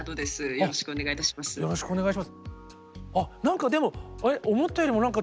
よろしくお願いします。